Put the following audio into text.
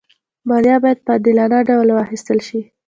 مالیه باید په عادلانه ډول واخېستل شي.